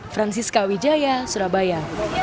francisca wijaya surabaya